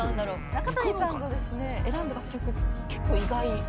中谷さんが選んだ楽曲結構意外。